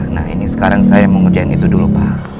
nah ini sekarang saya mau ngujiin itu dulu pak